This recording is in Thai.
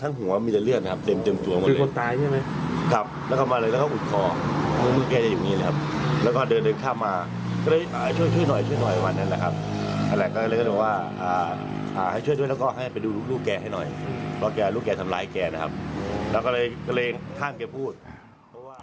ส่วนอาการของผู้เป็นแม่ตอนนี้